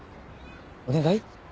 お願い？